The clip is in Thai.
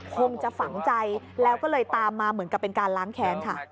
คงจะฝังใจแล้วก็เลยตามมาเหมือนกับเป็นการล้างแค้นค่ะ